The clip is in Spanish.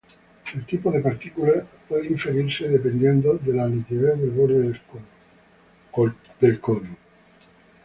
El tipo de partícula puede inferirse dependiendo de la nitidez del borde del cono.